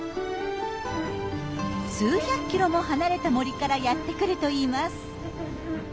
数百キロも離れた森からやって来るといいます。